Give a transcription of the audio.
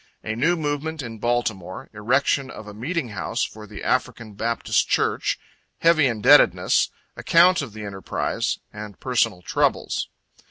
A New Movement in Baltimore Erection of a Meeting House for the African Baptist Church Heavy Indebtedness Account of the Enterprise Personal Troubles.